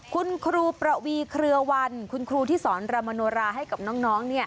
คุณครูประวีเครือวันคุณครูที่สอนรามโนราให้กับน้อง